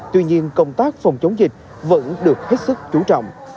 tuy nhiên công tác phòng chống dịch vẫn được hết sức chú trọng